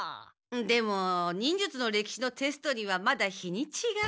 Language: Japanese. でも忍術のれきしのテストにはまだ日にちが。